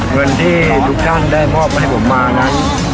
เงินที่ทุกท่านได้มอบให้ผมมานั้น